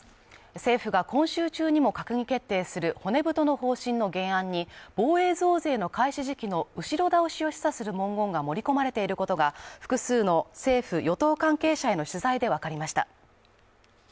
政府が今週中にも閣議決定する骨太の方針の原案に、防衛増税の開始時期の後ろ倒しを示唆する文言が盛り込まれていることが複数の政府・与党関係者への取材でわかりました。